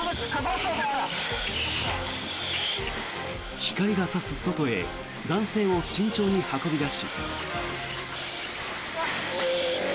光が差す外へ男性を慎重に運び出し。